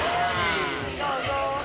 どうぞ。